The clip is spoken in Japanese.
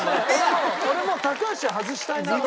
俺も高橋外したいなと。